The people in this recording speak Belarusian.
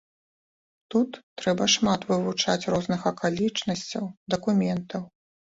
Тут трэба шмат вывучаць розных акалічнасцяў, дакументаў.